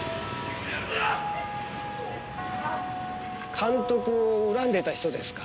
監督を恨んでた人ですか？